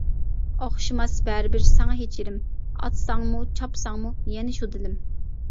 ئوخشىماس بەرىبىر ساڭا ھېچ يېرىم، ئاتساڭمۇ، چاپساڭمۇ يەنە شۇ دىلىم!